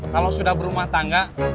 kalau sudah berumah tangga